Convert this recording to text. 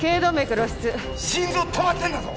心臓止まってるんだぞ！